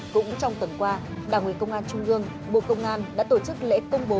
cũng trong tuần qua đảng quý công an trung ương bộ công an đã tổ chức lễ công bố